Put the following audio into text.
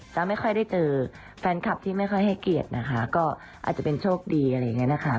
แล้วไม่ค่อยได้เจอแฟนคลับที่ไม่ค่อยให้เกียรตินะคะก็อาจจะเป็นโชคดีอะไรอย่างนี้นะคะ